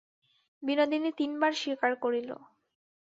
বিনোদিনী তিন বার স্বীকার করিল।